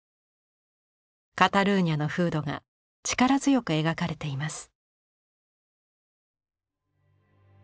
カタルーニャの風土が力強く描かれています。